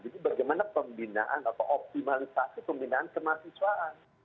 jadi bagaimana pembinaan atau optimalisasi pembinaan kemahasiswaan